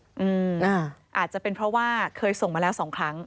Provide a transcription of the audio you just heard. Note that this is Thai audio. อาจจะเป็นเพราะว่าเคยส่งมาแล้วสองครั้ง